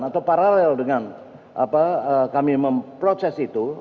atau paralel dengan kami memproses itu